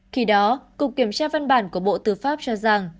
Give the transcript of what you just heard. khi đó cục kiểm tra văn bản của bộ tư pháp cho rằng